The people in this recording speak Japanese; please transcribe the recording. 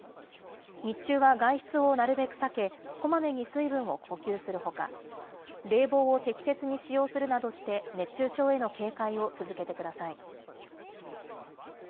日中は外出をなるべく避け、こまめに水分を補給するほか、冷房を適切に使用するなどして、熱中症への警戒を続けてください。